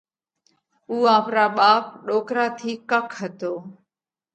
اُو آپرا ٻاپ ڏوڪرا ٿِي ڪک هتو۔